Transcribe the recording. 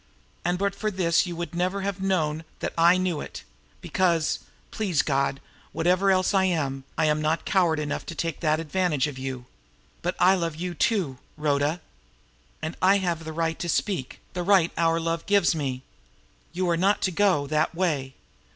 And but for this you would never have known that I knew it, because, please God, whatever else I am, I am not coward enough to take that advantage of you. But I love you, too! Rhoda! I have the right to speak, the right our love gives me. You are not to go that way.